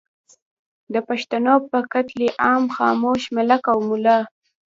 د پښتنو پر قتل عام خاموش ملک او ملا